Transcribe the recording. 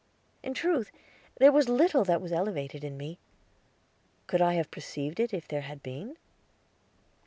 In truth there was little that was elevated in me. Could I have perceived it if there had been?